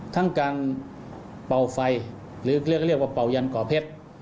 ทั้งการเป่าไฟหรือเรียกว่าเป่ายันก่อเพชร